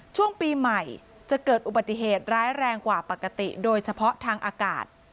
ช่วงปีใหม่จะเกิดอุบัติเหตุร้ายแรงกว่าปกติโดยเฉพาะทางอากาศ